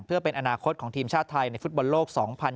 เพื่อเป็นอนาคตของทีมชาติไทยในฟุตบอลโลก๒๐๑๖